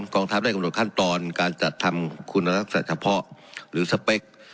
กองทัพได้กำหนดขั้นตอนการจัดทำคุณลักษณะเฉพาะหรือสเปค